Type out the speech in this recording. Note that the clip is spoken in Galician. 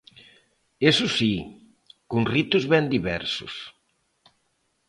Iso si, con ritos ben diversos.